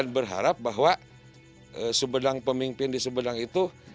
berharap bahwa sumedang pemimpin di sumedang itu